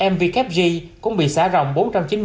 mvkg cũng bị xếp